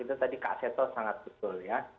itu tadi kak seto sangat betul ya